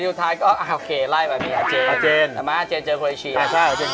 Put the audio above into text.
เอ้าวิเคราะห์ละกันเจนถ้าอยากวิเคราะห์